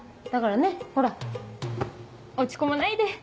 だからねほら落ち込まないで！